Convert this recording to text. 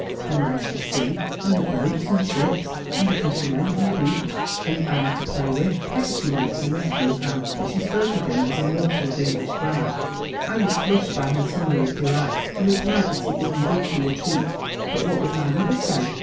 "Then there's the sea; and the boats and ships; and the fishermen; and the beach; and Am to play with —" Peggotty meant her nephew Ham, but she spoke of him as a morsel of English grammar. I was flushed by her summary of delights, and replied that it would indeed be a treat, but what would my mother say?